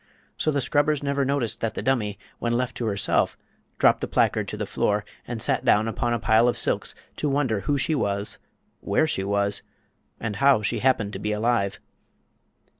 So the scrubbers never noticed that the dummy, when left to herself, dropped the placard to the floor and sat down upon a pile of silks to wonder who she was, where she was, and how she happened to be alive.